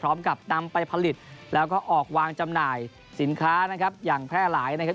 พร้อมกับนำไปผลิตแล้วก็ออกวางจำหน่ายสินค้านะครับอย่างแพร่หลายนะครับ